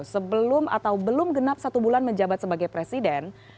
sebelum atau belum genap satu bulan menjabat sebagai presiden